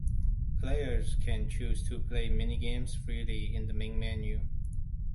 Players can choose to play mini-games freely in the main menu.